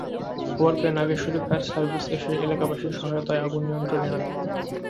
খবর পেয়ে Nageshwari fire service এসে এলাকাবাসীর সহায়তায় আগুন নিয়ন্ত্রণে আনে।